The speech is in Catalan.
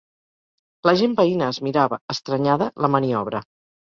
La gent veïna es mirava, estranyada, la maniobra